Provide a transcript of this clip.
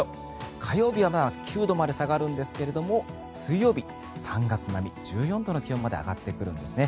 火曜日は９度まで下がるんですが水曜日、３月並み、１４度まで上がってくるんですね。